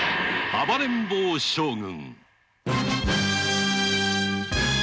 暴れん坊将軍